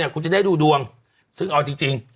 คุณจะได้ดูดวงซึ่งเอาจริง